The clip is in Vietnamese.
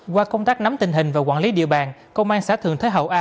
qua công tác nắm tình hình và quản lý địa bàn công an xã thường thế hậu a